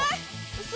うそ！